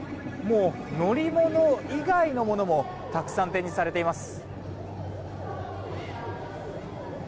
乗り物以外のものもたくさん展示されています。